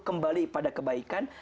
kembali pada kebaikan